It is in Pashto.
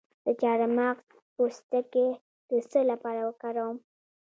د چارمغز پوستکی د څه لپاره وکاروم؟